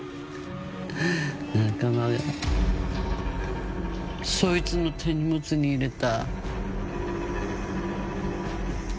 仲間がそいつの手荷物に入れた。